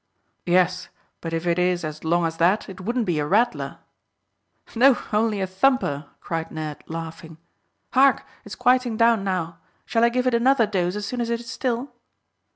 "Yes; but if it is as long as that it wouldn't be a rattler." "No; only a thumper," cried Ned, laughing. "Hark, it's quieting down now. Shall I give it another dose as soon as it is still?"